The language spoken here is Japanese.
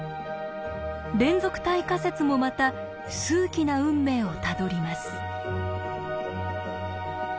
連続体仮説もまた数奇な運命をたどります。